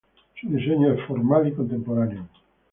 Su diseño es formal y contemporáneo.